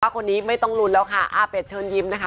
คนนี้ไม่ต้องลุ้นแล้วค่ะอาเป็ดเชิญยิ้มนะคะ